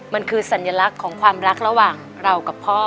มันคือสัญลักษณ์ของความรักระหว่างเรากับพ่อ